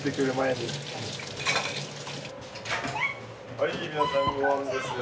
はい皆さんごはんですよ。